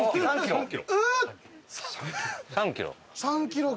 ３キロ。